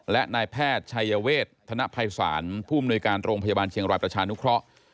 และนายแพทย์ชัยเวทธนภัยศาลผู้มนุยการโรงพยาบาลเชียงรายประชานุเคราะห์